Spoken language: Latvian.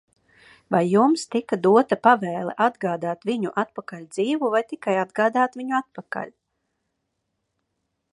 Vai jums tika dota pavēle atgādāt viņu atpakaļ dzīvu vai tikai atgādāt viņu atpakaļ?